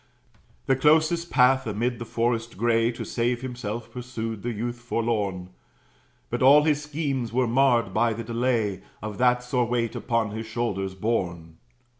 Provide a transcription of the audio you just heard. The closest path, amid the forest gray, To save himself, pursued the youth forlorn; But all his schemes were marred by the delay Of that sore weight upon his shoulders borne.